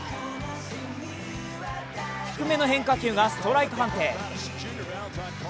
低めの変化球がストライク判定。